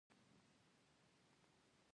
د جرمني پوځیانو کنډک تېر شو، دواړه یو ځای.